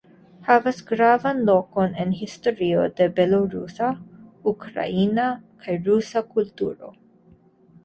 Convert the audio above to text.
Havas gravan lokon en historio de belorusa, ukrainia kaj rusa kulturo.